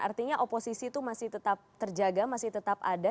artinya oposisi itu masih tetap terjaga masih tetap ada